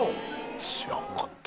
知らんかった！